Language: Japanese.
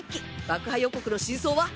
爆破予告の真相は？